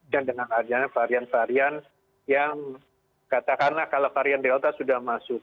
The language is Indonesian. dan dengan varian varian yang katakanlah kalau varian delta sudah masuk